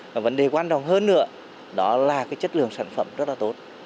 và vấn đề quan trọng hơn nữa đó là cái chất lượng sản phẩm rất là tốt